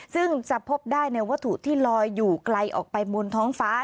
ซึ่งจะพบได้ในวัตถุที่ลอยอยู่ไกลออกไปบนท้องฟ้า